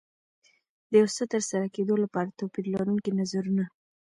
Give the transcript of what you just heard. د یو څه ترسره کېدو لپاره توپير لرونکي نظرونه.